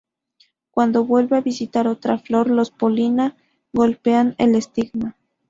Cuando vuelve a visitar otra flor los polinia golpean el estigma.